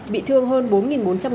bị thương hơn bốn bốn trăm linh người